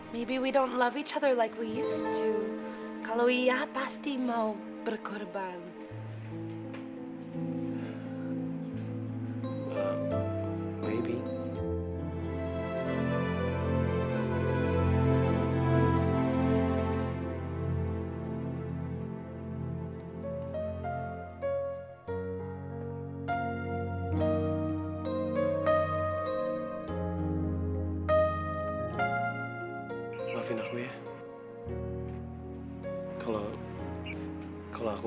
tapi kamu sendiri juga gak mau berkorban untuk aku